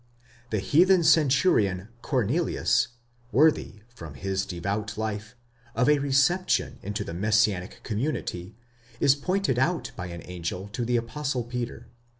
The heathen centurion Cornelius, worthy, from his devout life, of a reception into the messianic community, is pointed out by an angel to the Apostle Peter.